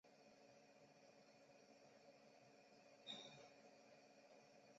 赖斯接受布里斯班圣彼得斯游泳学校的教练米高保尔的训练。